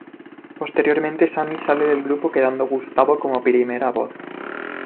Posteriormente Sammy sale del grupo quedando Gustavo como primera voz.